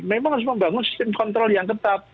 memang harus membangun sistem kontrol yang ketat